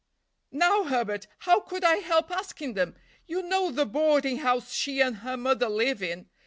_" "Now Herbert, how could I help asking them? You know the boarding house she and her mother live in.